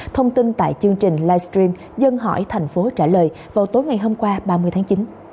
thông tin tại chương trình livestream dân hỏi thành phố trả lời vào tối ngày hôm qua ba mươi tháng chín